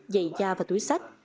dày da và túi sách